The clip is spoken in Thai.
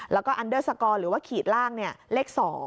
แล้วก็อันเดอร์สกอร์หรือว่าขีดล่างเลข๒